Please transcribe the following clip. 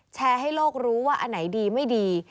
แชร์ให้โลกรู้ว่าอันไหนดีไม่ดี